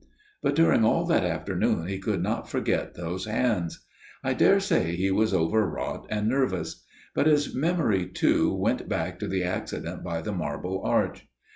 But during all that afternoon he could not forget those hands. I daresay he was overwrought and nervous. But his memory too went back to the accident by the Marble Arch.